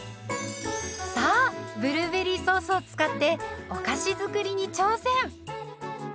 さあブルーベリーソースを使ってお菓子作りに挑戦。